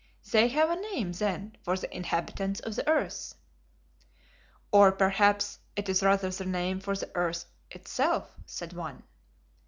They have a name, then, for the inhabitants of the earth." "Or, perhaps, it is rather the name for the earth itself," said one.